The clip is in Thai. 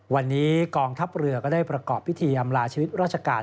วันนี้กองทัพเรือก็ได้ประกอบพิธีอำลาชีวิตราชการ